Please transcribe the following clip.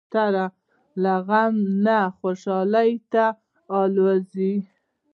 کوتره له غم نه خوشحالي ته الوزي.